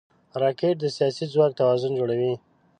راکټ د سیاسي ځواک توازن جوړوي